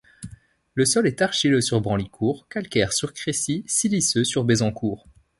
Le sol est argileux sur Branlicourt, calcaire sur Crécy, siliceux sur Bézancourt.